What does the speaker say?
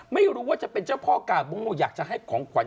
ไม่รู้ว่าจะเป็นเจ้าพ่อกาโบอยากจะให้ของขวัญ